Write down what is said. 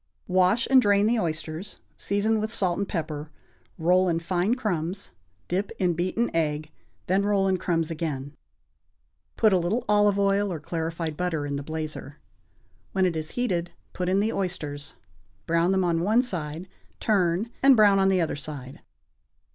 = Wash and drain the oysters, season with salt and pepper, roll in fine crumbs, dip in beaten egg, then roll in crumbs again. Put a little olive oil or clarified butter in the blazer; when it is heated, put in the oysters, brown them on one side, turn, and brown on the other side.